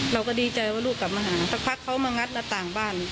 เราก็ดีใจว่าลูกกลับมาหาสักพักเขามางัดหน้าต่างบ้าน